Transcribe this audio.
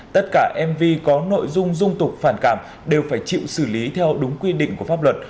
tất cả mv có nội dung dung tục phản cảm đều phải chịu xử lý theo đúng quy định của pháp luật